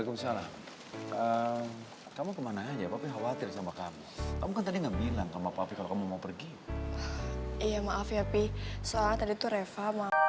maaf ya pi soalnya tadi itu reva